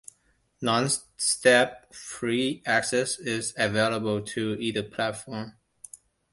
No step-free access is available to either platform.